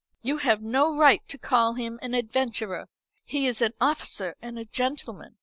"You have no right to call him an adventurer. He is an officer and a gentleman.